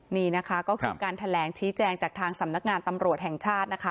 นี่นะคะก็คือการแถลงชี้แจงจากทางสำนักงานตำรวจแห่งชาตินะคะ